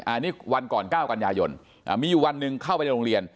อันนี้วันก่อน๙กันยายนมีอยู่วันหนึ่งเข้าไปในโรงเรียน